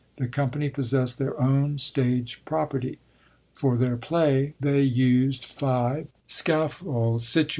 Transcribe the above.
The company possest their own stage property. For their play they used five 1 Ramaay, cixxiv.